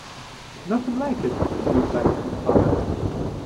‘Nothing like it,’ replied his father.